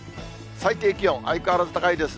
最低気温、相変わらず高いです。